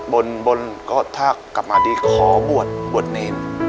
บนก็ถ้ากลับมาดีขอบวชบวชเนร